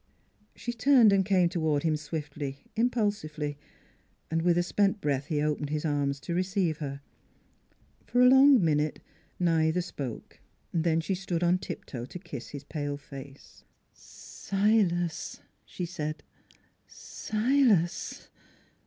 She turned and came toward him swiftly, im pulsively. With a spent breath he opened his arms to receive her. For a long minute neither spoke; then she stood on tiptoe to kiss his pale face. " Silas," she said. "Silas!"